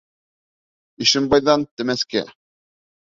Ишембайҙан — Темәскә